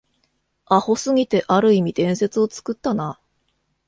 アホすぎて、ある意味伝説を作ったな